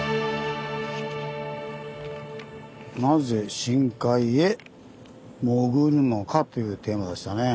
「なぜ深海へ潜るのか？」というテーマでしたね。